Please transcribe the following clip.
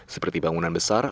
seperti bangunan besar